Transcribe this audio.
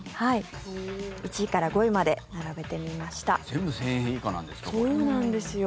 １位から５位まで並べてみました。